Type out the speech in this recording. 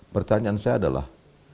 pertanyaan saya adalah